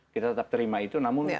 kita tetap terima itu namun